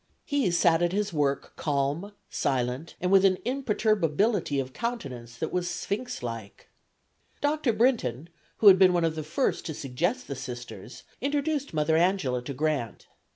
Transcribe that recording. He sat at his work calm, silent, and with an imperturbability of countenance that was sphinx like. Dr. Brinton, who had been one of the first to suggest the Sisters, introduced Mother Angela to Grant.